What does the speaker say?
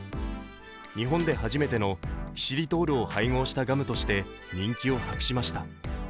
日本で初めてのキシリトールを配合したガムとして人気を博しました。